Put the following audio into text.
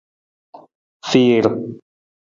Fiir.